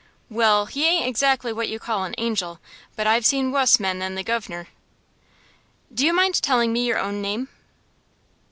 "Well, he ain't exactly what you call an angel, but I've seen wuss men than the guv'nor." "Do you mind telling me your own name?"